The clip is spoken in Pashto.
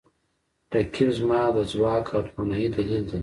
رقیب زما د ځواک او توانایي دلیل دی